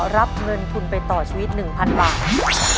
รับเงินทุนไปต่อชีวิต๑๐๐๐บาท